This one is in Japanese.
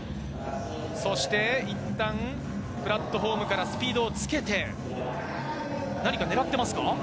そして、いったんプラットフォームからスピードをつけて、何か狙ってますか？